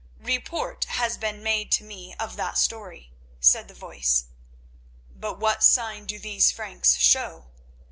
"Report has been made to me of that story," said the voice; "but what sign do these Franks show?